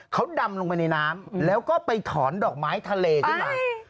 เขาดำลงไปในน้ำแล้วก็ไปถอนดอกไม้ทะเลขึ้นมา